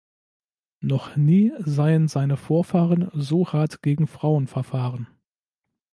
Noch nie seien seine Vorfahren so hart gegen Frauen verfahren.